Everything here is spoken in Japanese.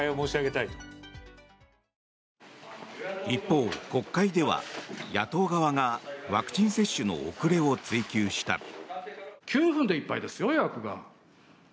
一方、国会では野党側がワクチン接種の遅れを追及した。